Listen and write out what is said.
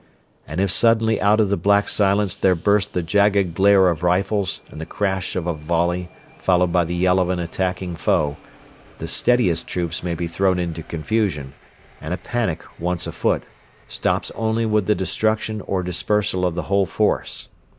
And if suddenly out of the black silence there burst the jagged glare of rifles and the crash of a volley followed by the yell of an attacking foe, the steadiest troops may be thrown into confusion, and a panic, once afoot, stops only with the destruction or dispersal of the whole force.